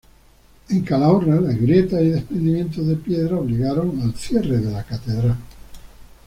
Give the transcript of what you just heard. En Calahorra, las grietas y desprendimientos de piedra obligaron al cierre de la Catedral.